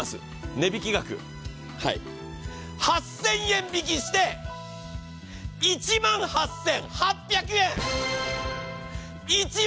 値引き額、８０００円引きして１万８８００円！